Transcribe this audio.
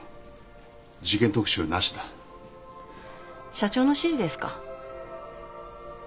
社長の指示ですか？